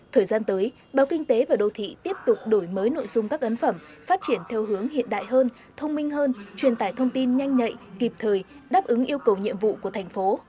thời gian tới báo kinh tế và đô thị tiếp tục đổi mới nội dung các ấn phẩm phát triển theo hướng hiện đại hơn thông minh hơn truyền tải thông tin nhanh nhạy kịp thời đáp ứng yêu cầu nhiệm vụ của thành phố